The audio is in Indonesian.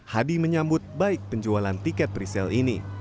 hadi menyambut baik penjualan tiket presale ini